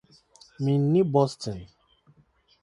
Minni Boston.